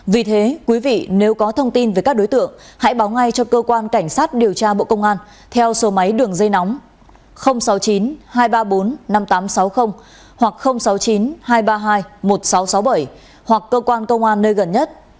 vì thế quý vị nếu có thông tin về các đối tượng hãy báo ngay cho cơ quan cảnh sát điều tra bộ công an theo số máy đường dây nóng sáu mươi chín hai trăm ba mươi bốn năm nghìn tám trăm sáu mươi hoặc sáu mươi chín hai trăm ba mươi hai một nghìn sáu trăm sáu mươi bảy hoặc cơ quan công an nơi gần nhất